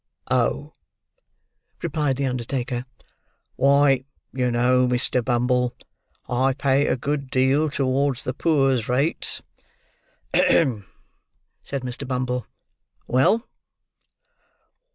"Oh!" replied the undertaker; "why, you know, Mr. Bumble, I pay a good deal towards the poor's rates." "Hem!" said Mr. Bumble. "Well?"